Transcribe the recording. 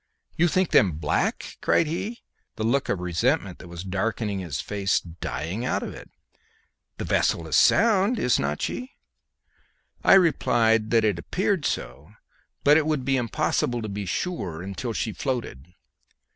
"You think them black?" cried he, the look of resentment that was darkening his face dying out of it. "The vessel is sound, is not she?" I replied that she appeared so, but it would be impossible to be sure until she floated.